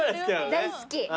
大好き。